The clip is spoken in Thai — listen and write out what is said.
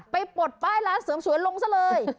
ปลดป้ายร้านเสริมสวยลงซะเลย